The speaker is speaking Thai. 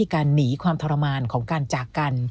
การหนีความทรมานของการจากกัน